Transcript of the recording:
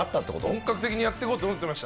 本格的にやっていこうと思ってました。